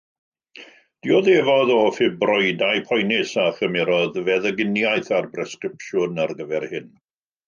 Dioddefodd o ffibroidau poenus, a chymerodd feddyginiaeth ar bresgripsiwn ar gyfer hyn.